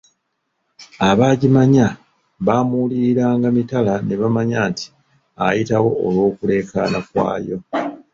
Abaagimanya baamuwuliriranga mitala ne bamanya nti ayitawo olw’okuleekaana kwayo.